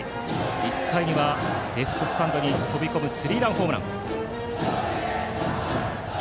１回にはレフトスタンドに飛び込むスリーランホームラン。